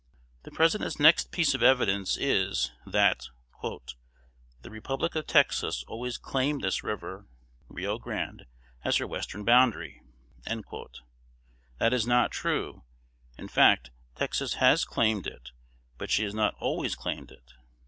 The President's next piece of evidence is, that "The Republic of Texas always claimed this river (Rio Grande) as her western boundary." That is not true, in fact. Texas has claimed it, but she has not always claimed it.